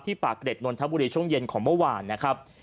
ปากเกร็ดนนทบุรีช่วงเย็นของเมื่อวานนะครับ